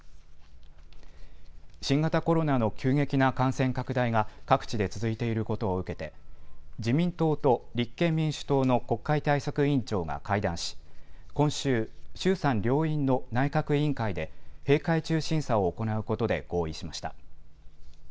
新型コロナの急激な感染拡大が各地で続いていることを受けて自民党と立憲民主党の国会対策委員長が会談し今週、衆参両院の内閣委員会で閉会中審査を行うことで合意しました。